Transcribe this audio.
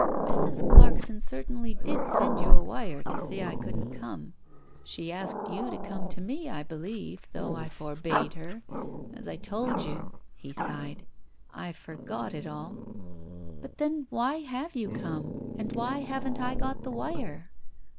Mrs. Clark son certainly did send you a wire to say I couldn't come. She asked you to come to me, I believe, though I forbade her. As I told you" — he sighed — "I forgot it all. ..." "But then why have you come, and why haven't I got the wire